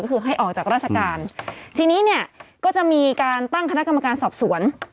ก็คือให้ออกจากราชการทีนี้เนี่ยก็จะมีการตั้งคณะกรรมการสอบสวน